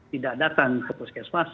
tidak datang ke puskesmas